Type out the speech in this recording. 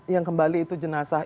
yang kembali itu jenazah